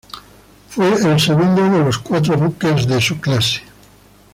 Fue el segundo de los cuatro buques de su clase.